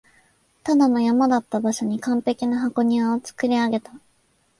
ただの山だった場所に完璧な箱庭を造り上げた